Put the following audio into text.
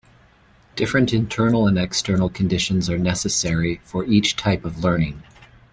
Different internal and external conditions are necessary for each type of learning.